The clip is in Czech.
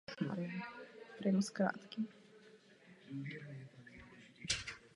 V Evropě jsme svědky systematického hroucení a bankrotu zemědělských podniků.